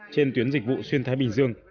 trên tuyến dịch vụ xuyên thái bình dương